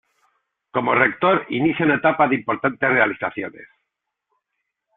Como Rector inicia una etapa de importantes realizaciones.